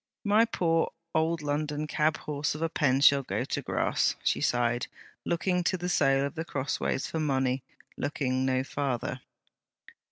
'My poor old London cabhorse of a pen shall go to grass!' she sighed, looking to the sale of The Crossways for money; looking no farther.